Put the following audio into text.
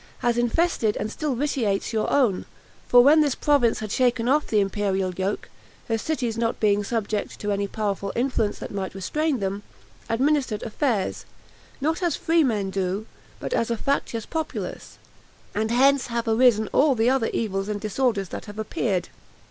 has infested and still vitiates your own; for when this province had shaken off the imperial yoke, her cities not being subject to any powerful influence that might restrain them, administered affairs, not as free men do, but as a factious populace; and hence have arisen all the other evils and disorders that have appeared.